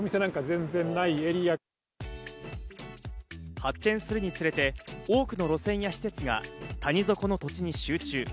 発展するにつれて、多くの路線や施設が谷底の土地に集中。